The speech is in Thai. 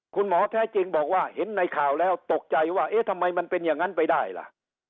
คุณหมอแท้จริงบอกว่าเห็นในข่าวแล้วตกใจว่าเอ๊ะทำไมมันเป็นอย่างนั้นไปได้ล่ะ